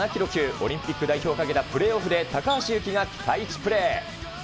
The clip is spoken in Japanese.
オリンピック代表をかけたプレーオフで、高橋侑希がピカイチプレー。